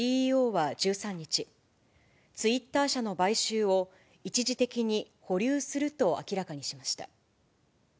ＣＥＯは１３日、ツイッター社の買収を一時的に保留すると明らかにしました。